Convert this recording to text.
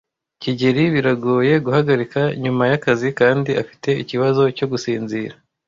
kigeli biragoye guhagarika nyuma yakazi kandi afite ikibazo cyo gusinzira.